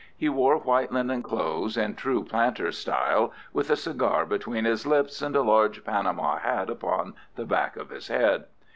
He wore white linen clothes, in true planter style, with a cigar between his lips, and a large Panama hat upon the back of his head.